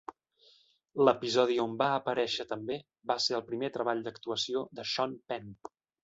L'episodi on va aparèixer també va ser el primer treball d'actuació de Sean Penn.